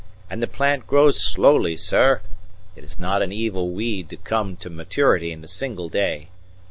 And the plant grows slowly, sir it is not an evil weed to come to maturity in a single day.